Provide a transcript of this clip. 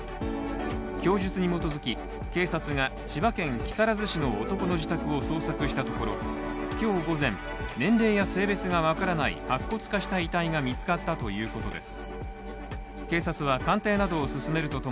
供述に基づき、警察が千葉県木更津市の男の自宅を捜索したところ今日午前、年齢や性別が分からない白骨化した遺体が見つかったということです。